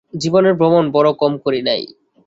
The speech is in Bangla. জীবনে ভ্রমণ বড় কম করি নাই।